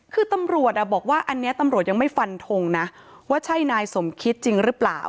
คือตำรวจบอกว่าอันนี้ตำรวจยังไม่ฟันทงนะว่าใช่นายสมคิดจริงหรือเปล่า